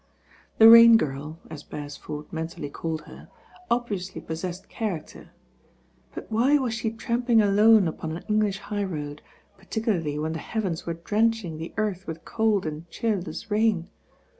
The Rain^irl :(•• Berctford mentany ciUed Her) obvioufly potieued chtncter; but why was the tramping alone upon an Engli.h high road, particu. larly when die hcavena were drenching the earth with cold and cheerlew rain?